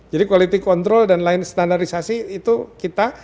jadi quality control dan lain standarisasi itu kita